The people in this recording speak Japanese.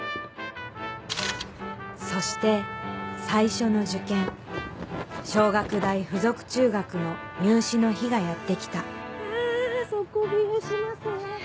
そして最初の受験小学大附属中学の入試の日がやって来たう底冷えしますね。